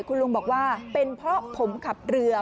คุณลุงบอกว่าเป็นเพราะผมขับเรือ